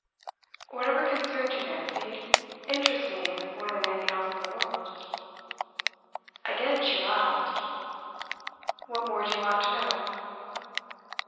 'Whatever concerns you, Nancy, interests me more than anything else in the world.' Again she laughed. 'What more do you want to know?